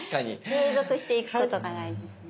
継続していくことが大事ですね。